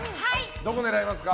どこを狙いますか？